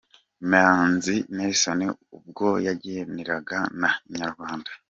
Manzi Nelson ubwo yaganiraga na Inyarwanda.